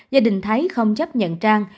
gia đình thái không chấp nhận trang